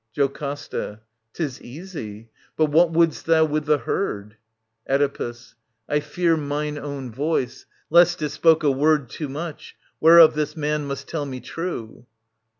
JOCASTA. 'Tis easy. But what wouldst thou with the herd ? Oedipus. I fear mine own voice, lest it spoke a word Too much ; whereof this man must tell me true.